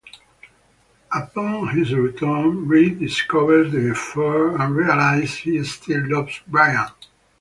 Upon his return, Reed discovers the affair and realizes he still loves Bryant.